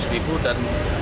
seratus ribu dan